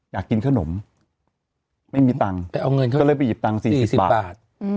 อยากกินขนมไม่มีตังค์ไปเอาเงินเขาก็เลยไปหยิบตังค์๔๐บาท